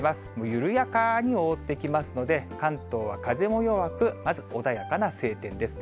緩やかに覆ってきますので、関東は風も弱く、まず穏やかな晴天です。